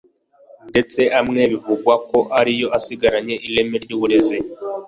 ndetse amwe bivugwa ko ari yo asigaranye ireme ry’uburezi